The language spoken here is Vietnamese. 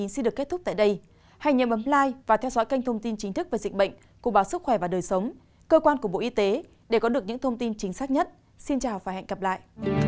xử lý nghiêm theo quy định ông thượng nói